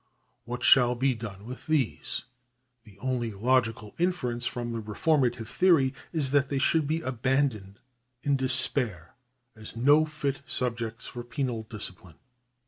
What shall be done with these ? The only logical inference from the reformative theory is that they should be abandoned in despair as no fit subjects for penal discipline.